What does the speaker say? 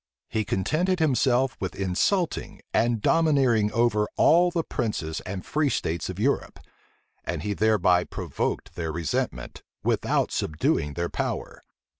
He contented himself with insulting and domineering over all the princes and free states of Europe; and he thereby provoked their resentment, without subduing their power.